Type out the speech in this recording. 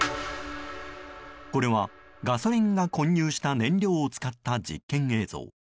これはガソリンが混入した燃料を使った実験映像。